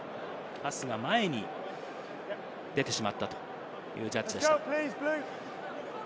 パスが前に出てしまったというジャッジでした。